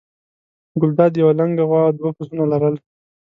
ګلداد یوه لنګه غوا او دوه پسونه لرل.